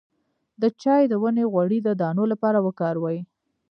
د چای د ونې غوړي د دانو لپاره وکاروئ